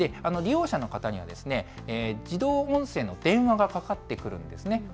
利用者の方には自動音声の電話がかかってくるんですね。